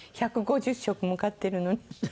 １５０食も買ってるのに。